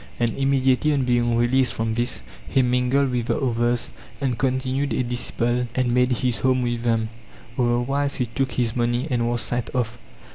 And immediately on being released from this he mingled with the others and con tinued a disciple and made his home with them; other wise he took his money and was sent off.